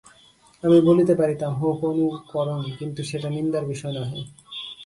আমি বলিতে পারিতাম, হউক অনুকরণ, কিন্তু সেটা নিন্দার বিষয় নহে!